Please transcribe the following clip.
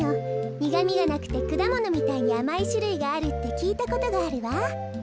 にがみがなくてくだものみたいにあまいしゅるいがあるってきいたことがあるわ。